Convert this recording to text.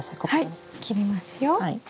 はい切りますよ。